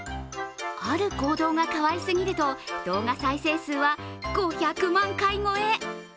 ある行動がかわいすぎると動画再生数は５００万回超え。